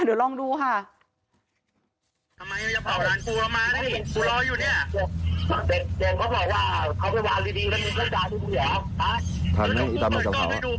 เดี๋ยวลองดูค่ะ